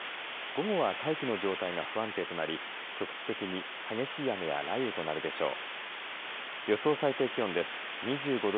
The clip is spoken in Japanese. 午後は大気の状態が不安定となり局地的に激しい雨や雷雨となるでしょう。